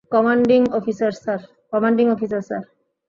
Commanding officer, sir.